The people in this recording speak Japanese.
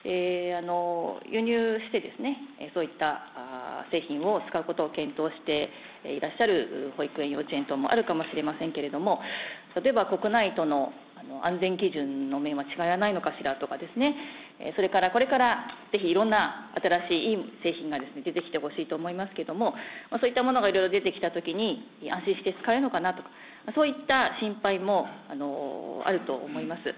輸入して、そういった製品を使うことを検討していらっしゃる保育園、幼稚園等もあるかもしれませんけれども、例えば国内との安全基準の面は違いはないのかしらとかですね、それから、これからぜひ、いろんな新しいいい製品が出てきてほしいと思いますけれども、そういったものがいろいろ出てきたときに、安心して使えるのかなとか、そういった心配もあると思います。